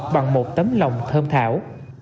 bằng một tấm lòng thơm thảo